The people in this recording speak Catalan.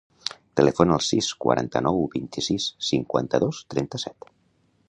Telefona al sis, quaranta-nou, vint-i-sis, cinquanta-dos, trenta-set.